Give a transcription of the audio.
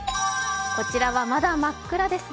こちらはまだ真っ暗ですね。